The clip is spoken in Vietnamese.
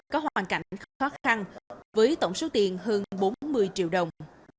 có hoàn cảnh khó khăn với tổng số tiền hơn bốn mươi triệu đồng